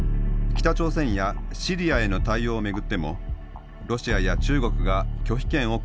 北朝鮮やシリアへの対応を巡ってもロシアや中国が拒否権を行使。